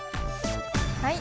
はい！